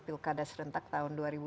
pilkada serentak tahun dua ribu dua puluh